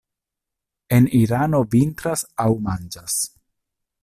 En Irano vintras aŭ manĝas.